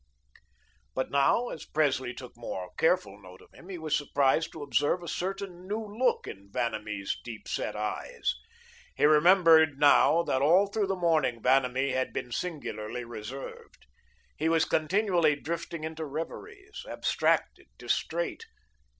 But now, as Presley took more careful note of him, he was surprised to observe a certain new look in Vanamee's deep set eyes. He remembered now that all through the morning Vanamee had been singularly reserved. He was continually drifting into reveries, abstracted, distrait.